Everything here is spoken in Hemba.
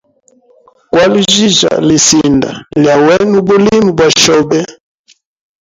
Kwaljija lisinda lya wena ubulimi bwa shobe.